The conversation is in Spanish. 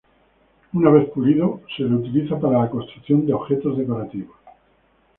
Una vez pulido, se lo utiliza para la construcción de objetos decorativos.